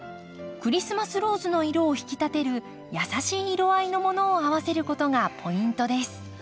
クリスマスローズの色を引き立てる優しい色合いのものを合わせることがポイントです。